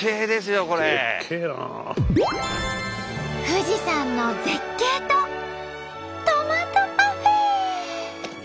富士山の絶景とトマトパフェ！